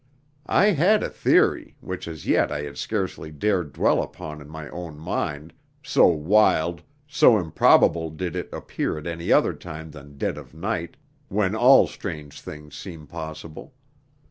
I had a theory, which as yet I had scarcely dared dwell upon in my own mind, so wild, so improbable did it appear at any other time than dead of night, when all strange things seem possible.